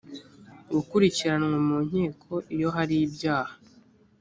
gukurikiranwa mu nkiko iyo hari ibyaha